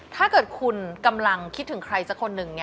ถ้าเกิดคุณกำลังคิดถึงใครสักคนหนึ่ง